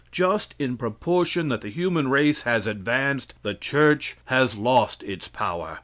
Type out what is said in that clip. Just in proportion that the human race has advanced, the church has lost its power.